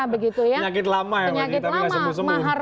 penyakit lama mahar